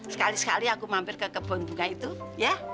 sekali sekali aku mampir ke kebun buka itu ya